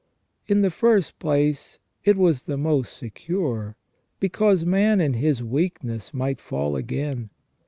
In the first place, it was the most secure, because man in his weakness might fall again.